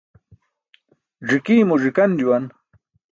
Ẓi̇kii̇ mo ẓi̇kan juwan.